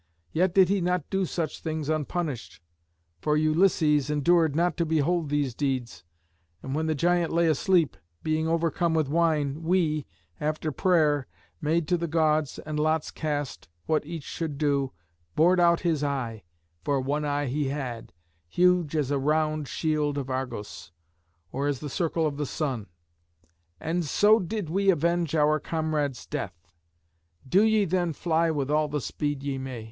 Yet did he not do such things unpunished, for Ulysses endured not to behold these deeds, and when the giant lay asleep, being overcome with wine, we, after prayer made to the Gods and lots cast what each should do, bored out his eye, for one eye he had, huge as a round shield of Argos, or as the circle of the sun, and so did we avenge our comrades' death. Do ye then fly with all the speed ye may.